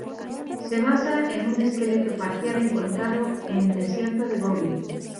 Se basa en un esqueleto parcial encontrado en Desierto de Gobi.